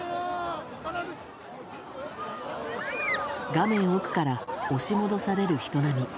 画面奥から押し戻される人波。